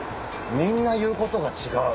みんな言うことが違う。